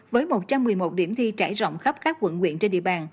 với một trăm một mươi một điểm thi trải rộng khắp các quận quyện trên địa bàn